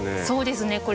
そうですね。